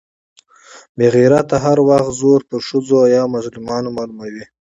بې غيرته هر وخت زور پر ښځو يا مظلومانو معلوموي.